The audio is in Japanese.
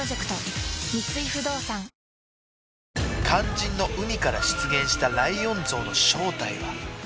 肝心の海から出現したライオン像の正体は？